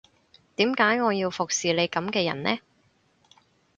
點解我要服侍你噉嘅人呢